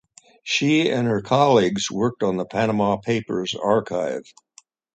She and her colleagues worked on the Panama Papers archive.